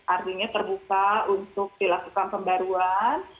artinya terbuka untuk dilakukan pembaruan